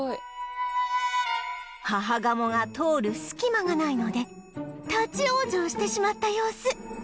母ガモが通る隙間がないので立ち往生してしまった様子